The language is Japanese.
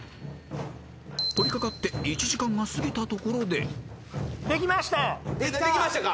［取り掛かって１時間が過ぎたところで］できましたか！